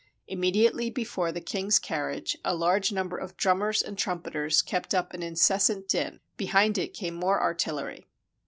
Immediately before the king's carriage, a large number of drummers and trumpeters kept up an incessant din ; behind it came more artillery.